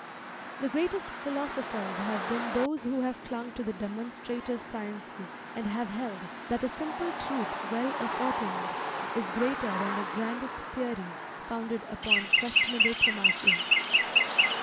The greatest philosophers have been those who have clung to the demonstrative sciences, and have held that a simple truth well ascertained, is greater than the grandest theory founded upon questionable premises.